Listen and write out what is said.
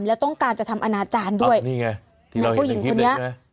แล้วต้องการจะทำอนาจารย์ด้วยนี่ไงผู้หญิงคนนี้